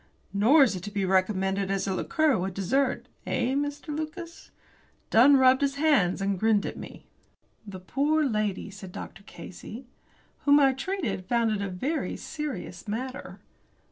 "Nor is it to be recommended as a liqueur with dessert eh, Mr. Lucas?" Dunn rubbed his hands, and grinned at me. "The poor lady," said Dr. Casey, "whom I treated found it a very serious matter."